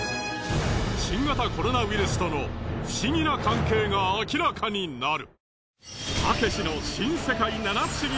新型コロナウイルスとの不思議な関係が明らかになる。